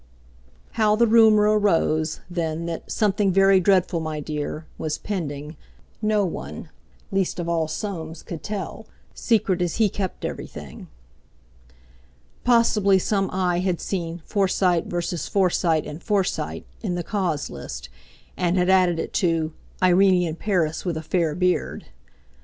How the rumour arose, then, that "something very dreadful, my dear," was pending, no one, least of all Soames, could tell, secret as he kept everything. Possibly some eye had seen "Forsyte v. Forsyte and Forsyte," in the cause list; and had added it to "Irene in Paris with a fair beard."